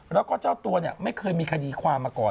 แล้วก็เจ้าตัวเนี่ยไม่เคยมีคดีความมาก่อน